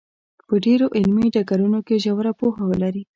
په ډېرو علمي ډګرونو کې ژوره پوهه ولري.